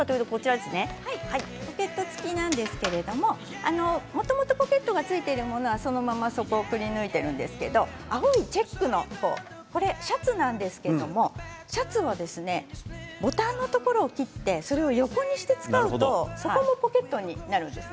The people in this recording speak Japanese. ポケット付きなんですけどもともとポケットが付いているものはそのまま、そこをくりぬいているんですけど青いチェックのシャツなんですけどシャツはボタンのところを切ってそれを横にして使うとそこもポケットになるんです。